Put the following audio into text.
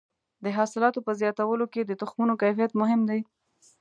د حاصلاتو په زیاتولو کې د تخمونو کیفیت مهم دی.